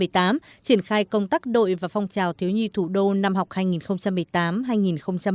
triển khai công tác đội và phong trào thiếu nhi thủ đô năm học hai nghìn một mươi tám